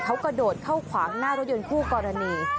เขากระโดดเข้าขวางหน้ารถยนต์คู่กรณี